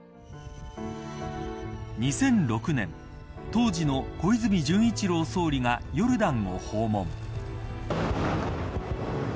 ２００６年当時の小泉純一郎総理がヨルダンを訪問。